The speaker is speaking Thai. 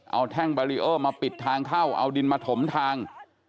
เอาแท่งบารีเออร์มาปิดทางเข้าเอาดินมาถมทาง